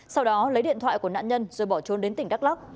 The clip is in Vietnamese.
sau đó lấy điện thoại của nạn nhân rồi bỏ trốn đến tỉnh đắk lắc